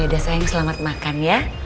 ya udah sayang selamat makan ya